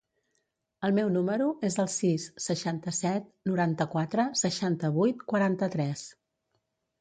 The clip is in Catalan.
El meu número es el sis, seixanta-set, noranta-quatre, seixanta-vuit, quaranta-tres.